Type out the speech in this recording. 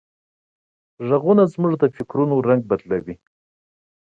غږونه زموږ د فکرونو رنگ بدلوي.